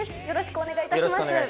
よろしくお願いします。